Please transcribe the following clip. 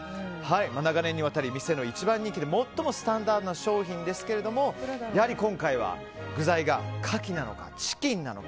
長年にわたり店の一番人気のスタンダードな商品ですけどもやはり今回は具材がカキなのかチキンなのか。